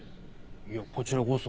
いやこちらこそ。